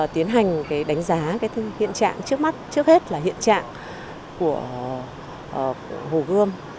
tiến hành đánh giá hiện trạng trước mắt trước hết là hiện trạng của hồ gươm